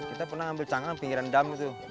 kita pernah ambil cangkang di pinggiran dam itu